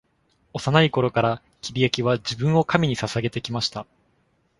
幼い頃から、キリアキは自分を神に捧げてきました。